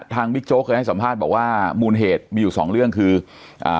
บิ๊กโจ๊กเคยให้สัมภาษณ์บอกว่ามูลเหตุมีอยู่สองเรื่องคืออ่า